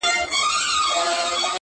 موږ چي د پردیو په ګولیو خپل ټټر ولو!